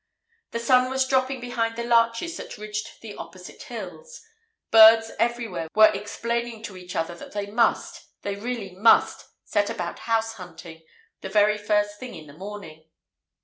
The sun was dropping behind the larches that ridged the opposite hills. Birds everywhere were explaining to each other that they must—they really must—set about house hunting the very first thing in the morning.